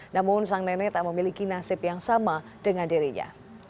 namun sang nenek tak memiliki nasib yang sama dengan dirinya